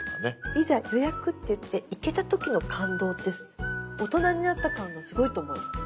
いざ予約っていって行けた時の感動って大人になった感がすごいと思います。